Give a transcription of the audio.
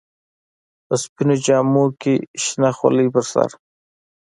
په سپينو جامو کښې شنه خولۍ پر سر.